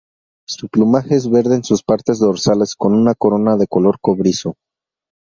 Su plumaje es verde en sus partes dorsales, con una corona de color cobrizo.